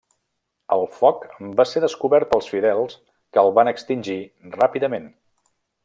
El foc va ser descobert pels fidels que el van extingir ràpidament.